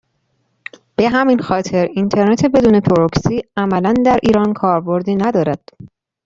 به همین خاطر اینترنت بدون پروکسی عملا در ایران کاربردی ندارد.